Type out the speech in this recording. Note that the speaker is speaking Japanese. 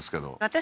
私